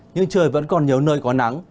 nhưng trời vẫn còn nhiều nơi có nắng